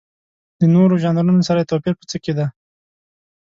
د نورو ژانرونو سره یې توپیر په څه کې دی؟